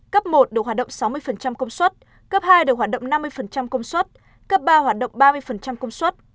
cấp một được hoạt động sáu mươi công suất cấp hai được hoạt động năm mươi công suất cấp ba hoạt động ba mươi công suất